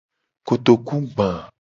Kotoku gba.